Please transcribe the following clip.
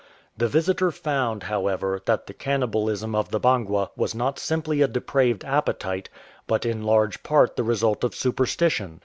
The visitor found, however, that the cannibalism of the Bangwa was not simply a depraved appetite, but in large part the result of superstition.